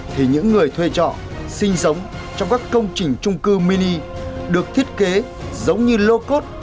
thì những người thuê trọ sinh sống trong các công trình trung cư mini được thiết kế giống như lô cốt